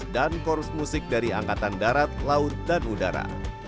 dan korus musik dari angkatan darat laut dan udara